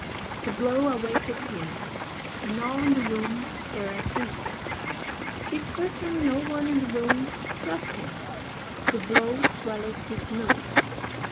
The blow awaked him, and all in the room were asleep; is certain no one in the room struck him: the blow swelled his nose.